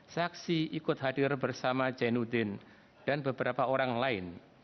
saksi ikut hadir bersama jainuddin dan beberapa orang lain